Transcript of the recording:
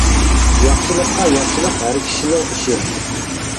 !؟. ياخشىلىققا ياخشىلىق ھەر كىشىنىڭ ئىشى.